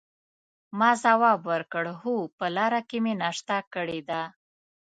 ما ځواب ورکړ: هو، په لاره کې مې ناشته کړې ده.